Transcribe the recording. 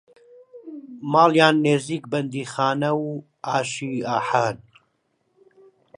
ماڵیان نێزیک بە بەندیخانەوو ئاشی ئەحان